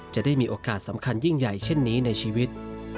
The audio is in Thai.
จะได้มีโอกาสสำคัญยิ่งใหญ่เช่นนี้ในชีวิต